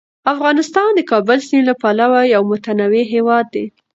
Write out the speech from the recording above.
افغانستان د کابل سیند له پلوه یو متنوع هیواد دی.